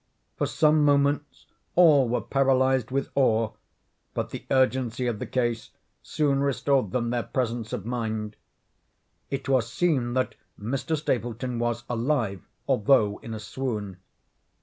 For some moments all were paralyzed with awe—but the urgency of the case soon restored them their presence of mind. It was seen that Mr. Stapleton was alive, although in a swoon.